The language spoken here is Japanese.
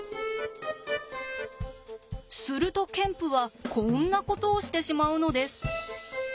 するとケンプはこんなことをしてしまうのです。